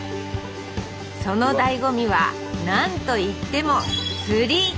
そのだいご味は何と言っても釣り！